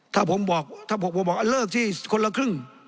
ถ้าผมบอกถ้าผมบอกเลิกที่คนละครึ่ง